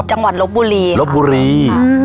จังหวัดลบบุรีลบบุรี